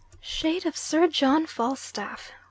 Shade of Sir John Falstaff!